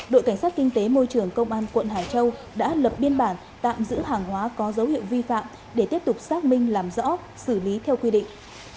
đội cảnh sát kinh tế môi trường công an quận hải châu đã lập biên bản tạm giữ hàng hóa có dấu hiệu vi phạm để tiếp tục xác minh làm rõ xử lý theo quy định